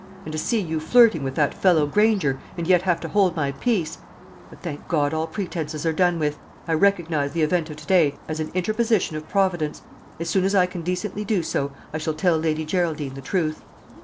And to see you flirting with that fellow Granger, and yet have to hold my peace! But, thank God, all pretences are done with. I recognize the event of to day as an interposition of Providence. As soon as I can decently do so, I shall tell Lady Geraldine the truth."